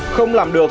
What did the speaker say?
không làm được